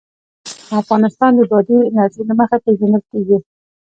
افغانستان د بادي انرژي له مخې پېژندل کېږي.